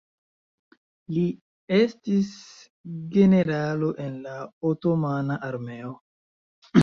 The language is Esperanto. Li estis generalo en la Otomana Armeo.